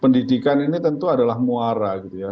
pendidikan ini tentu adalah muara gitu ya